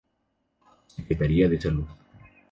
Secretaría de Salud.